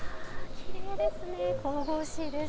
きれいですね、神々しいです。